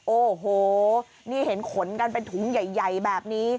โอ้โหนี่เห็นขนกันเป็นถุงใหญ่แบบนี้